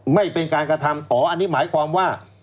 ไม่เป็นการกระทำอ๋ออันนี้หมายความว่า